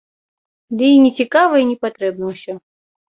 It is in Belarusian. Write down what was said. Ды і не цікава, і не патрэбна ўсё.